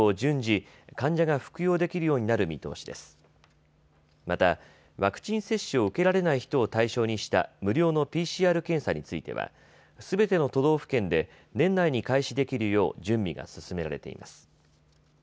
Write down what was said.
また、ワクチン接種を受けられない人を対象にした無料のＰＣＲ検査についてはすべての都道府県で年内に開始できるよう準備が進められています。